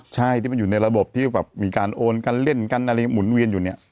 ใช่ที่มันอยู่ในระบบที่แบบมีการโอนกันเล่นกันอะไรหมุนเวียนอยู่เนี่ย